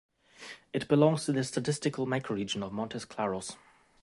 It belongs to the statistical microregion of Montes Claros.